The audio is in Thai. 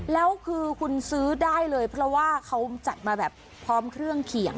แล้วคือคุณซื้อได้เลยเพราะว่าเขาจัดมาแบบพร้อมเครื่องเขียง